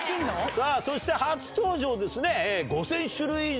そして初登場ですね。